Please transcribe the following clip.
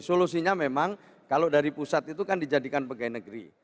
solusinya memang kalau dari pusat itu kan dijadikan pegawai negeri